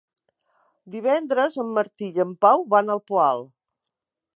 Divendres en Martí i en Pau van al Poal.